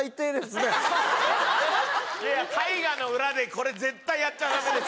いやいや大河の裏でこれ絶対やっちゃ駄目でしょ！